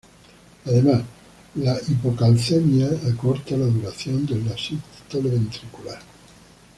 Además, la hipocalcemia acorta la duración de la sístole ventricular.